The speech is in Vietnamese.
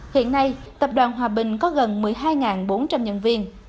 hiện nay tập đoàn hòa bình có gần một mươi hai bốn trăm linh nhân viên